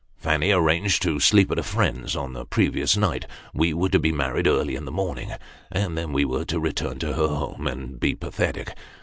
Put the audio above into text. Fanny arranged to sleep at a friend's, on the previous night ; we were to be married early in the morn ing ; and then we were to return to her home and be pathetic.